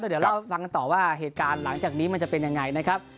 เดี๋ยวเราฟังกันต่อว่าเหตุการณ์หลังจากนี้มันจะเป็นยังไงนะครับ